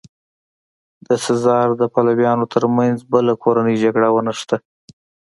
د سزار د پلویانو ترمنځ بله کورنۍ جګړه ونښته.